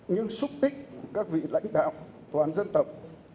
với xúc tích của các vị lãnh đạo toàn dân tập